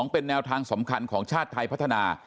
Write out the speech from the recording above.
เป็นแนวทางสำคัญของชาติไทยพัฒนา